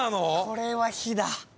これは火だ。